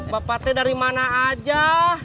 bapaknya dari mana aja